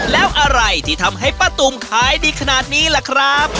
แล้วอะไรที่ทำให้ป้าตุ๋มขายดีขนาดนี้ล่ะครับ